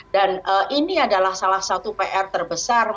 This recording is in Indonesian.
dan ini adalah salah satu pr terbesar